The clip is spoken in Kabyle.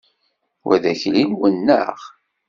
Wa d akli-nwen, naɣ?